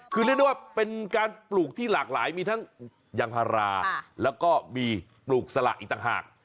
คือเรียกได้ว่าเป็นการปลูกที่หลากหลายมีทั้งยางพาราแล้วก็มีปลูกสละอีกต่างหาก